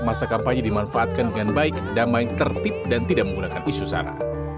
masa kampanye dimanfaatkan dengan baik damai tertib dan tidak menggunakan isu sara